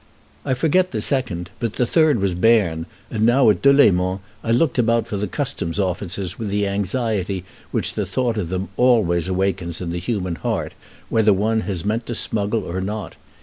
I forget the second, but the third was Berne, and now at Delemont I looked about for the customs officers with the anxiety which the thought of them always awakens in the human heart, whether one has meant to smuggle or not.